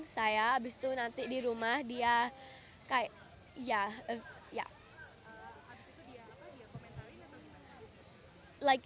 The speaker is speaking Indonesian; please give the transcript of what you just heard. saya abis itu nanti di rumah dia kayak ya